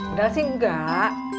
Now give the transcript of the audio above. udah sih enggak